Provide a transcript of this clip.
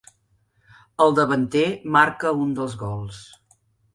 El davanter marca un dels gols.